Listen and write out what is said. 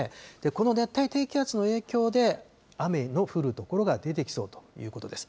この熱帯低気圧の影響で、雨の降る所が出てきそうということです。